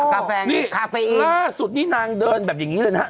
กาแฟนี่ล่าสุดนี่นางเดินแบบอย่างนี้เลยนะฮะ